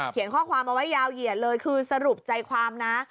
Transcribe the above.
ข้อความเอาไว้ยาวเหยียดเลยคือสรุปใจความนะ